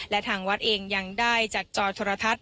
และทางวัดเองยังได้จัดจอโทรทัศน